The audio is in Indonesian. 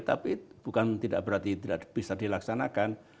tapi bukan tidak berarti tidak bisa dilaksanakan